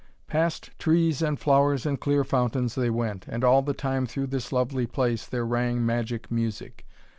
Past trees and flowers and clear fountains they went, and all the time through this lovely place there rang magic music.